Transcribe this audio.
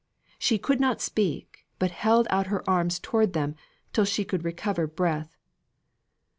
She could not speak, but held out her arms towards them till she could recover breath.